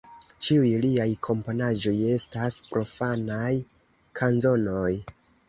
Ĉiuj liaj komponaĵoj estas profanaj kanzonoj.